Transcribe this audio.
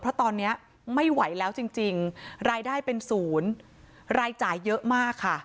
เพราะตอนนี้ไม่ไหวแล้วจริงรายได้เป็นศูนย์รายจ่ายเยอะมากค่ะ